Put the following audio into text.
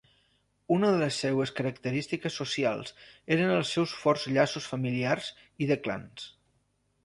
Una de les seues característiques socials eren els seus forts llaços familiars i de clans.